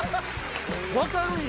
分かるんや。